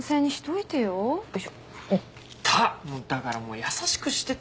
だからもう優しくしてって。